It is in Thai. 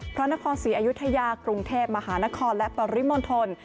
พระนครศรีอยุธยากรุงเทพมหานครและปริมณฑล